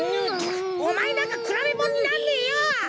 おまえなんかくらべもんになんねえよ！